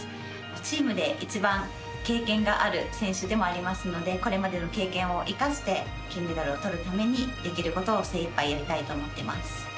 チームで一番経験がある選手でもありますのでこれまでの経験を生かして金メダルをとるためにできることを精いっぱいやりたいと思っています。